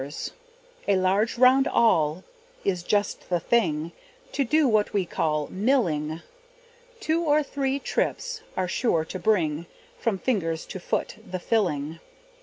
A large round awl is just the thing, To do what we call milling; Two or three trips are sure to bring From fingers to foot the filling.